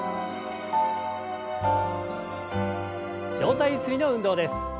上体ゆすりの運動です。